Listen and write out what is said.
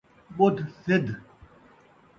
ٻُدھ سِدھ